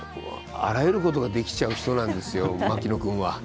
あらゆることができちゃう人なんですよ牧野君は。